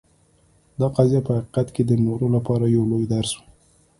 دا قضیه په حقیقت کې د نورو لپاره یو لوی درس و.